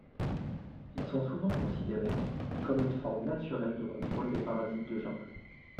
Ils sont souvent considérés comme une forme naturelle de contrôle des parasites de jardin.